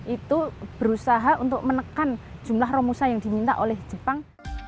itu berusaha untuk menekan jumlah romusa yang diminta oleh jepang